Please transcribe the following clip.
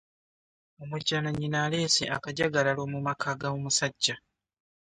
Omujja na nnyina aleese akajalalo mu maka gomusajja.